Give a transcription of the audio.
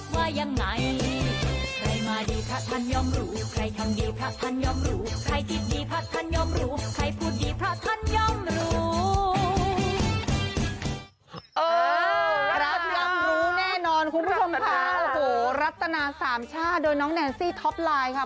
รับรู้แน่นอนคุณผู้ชมค่ะโอ้โหรัตนาสามชาติโดยน้องแนนซี่ท็อปไลน์ค่ะ